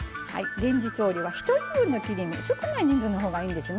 レンジ調理は１人分の切り身少ない人数のほうがいいんですね。